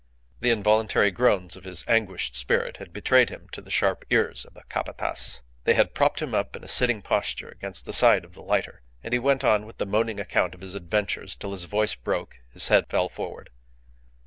The involuntary groans of his anguished spirit had betrayed him to the sharp ears of the Capataz. They had propped him up in a sitting posture against the side of the lighter, and he went on with the moaning account of his adventures till his voice broke, his head fell forward.